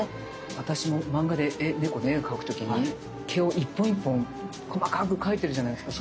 私も漫画で猫の絵描く時に毛を一本一本細かく描いてるじゃないですか。